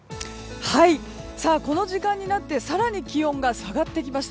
この時間になって更に気温が下がってきました。